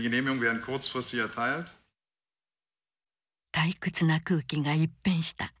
退屈な空気が一変した。